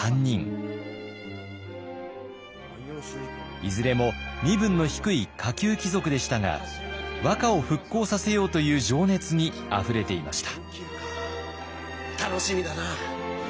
いずれも身分の低い下級貴族でしたが和歌を復興させようという情熱にあふれていました。